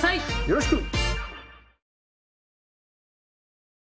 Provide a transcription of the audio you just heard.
よろしく！